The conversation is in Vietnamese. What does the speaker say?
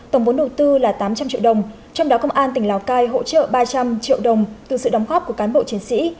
tổng vốn đầu tư là tám trăm linh triệu đồng trong đó công an tỉnh lào cai hỗ trợ ba trăm linh triệu đồng từ sự đóng góp của cán bộ chiến sĩ